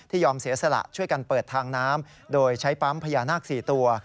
ยอมเสียสละช่วยกันเปิดทางน้ำโดยใช้ปั๊มพญานาค๔ตัว